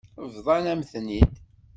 Bḍan-am-ten-id.